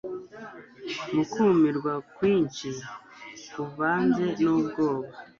Mu kumirwa kwinshi kuvanze nubwoba